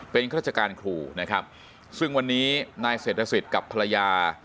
เป็นข้าราชการครูนะครับซึ่งวันนี้นายเศรษฐกับภรรยา